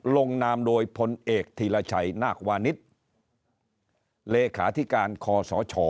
ลงนามโดยพลเอกธีรชัยนาควานิสเลขาธิการคอสช